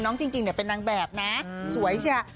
น้องจิงจิงเนี่ยเป็นนางแบบนะสวยใช่